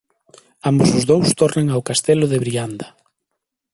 Ambos os dous tornan ao castelo de Brianda.